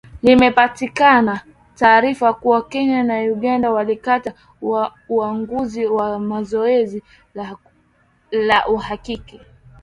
limepata taarifa kuwa Kenya na Uganda walikataa uamuzi wa zoezi la uhakiki